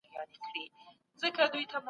ایا ساده ژبه غوره ده؟